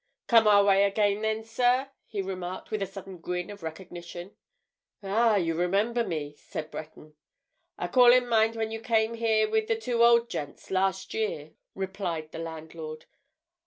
"Come our way again then, sir?" he remarked with a sudden grin of recognition. "Ah, you remember me?" said Breton. "I call in mind when you came here with the two old gents last year," replied the landlord.